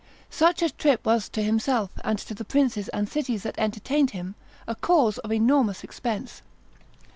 Such a trip was to himself, and to the princes and cities that entertained him, a cause of enormous expense.